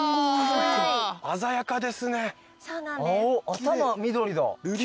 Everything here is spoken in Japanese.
頭緑だ。